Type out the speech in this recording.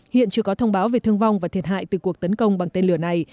hiện chưa có thông báo về thương vong và thiệt hại từ cuộc tấn công bằng tên lửa này